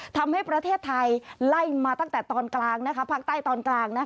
ทำให้ประเทศไทยไล่มาตั้งแต่ตอนกลางภาคใต้ตอนกลาง